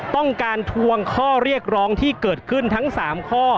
ทวงข้อเรียกร้องที่เกิดขึ้นทั้ง๓ข้อ